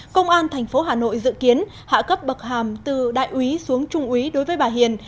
công an tp hà nội dự kiến hạ cấp bậc hàm từ đại úy xuống trung úy đối với bà hiền